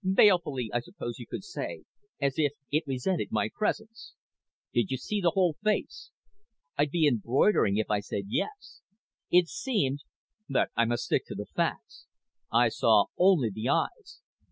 Balefully, I suppose you could say, as if it resented my presence." "Did you see the whole face?" "I'd be embroidering if I said yes. It seemed but I must stick to the facts. I saw only the eyes.